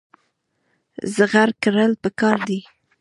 زغر کرل پکار دي.